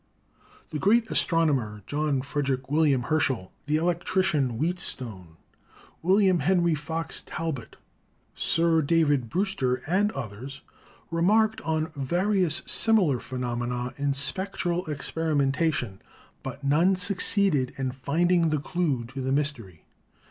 The great astronomer J. F. W. Hersche!, the electrician Wheatstone, William Henry Fox Talbot, Sir David Brewster and others remarked on various similar phenomena in spectral experimentation, but none succeeded in finding the clue to the mystery.